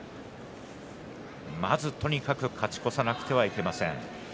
まずとにかく勝ち越さなくてはいけません。